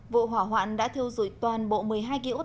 vụ hỏa hoạn đã theo dùi toàn bộ một mươi hai ký ốt